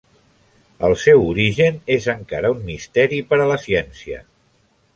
El seu origen és encara un misteri per a la ciència.